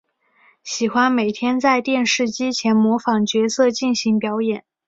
喜欢每天在电视机前模仿角色进行表演。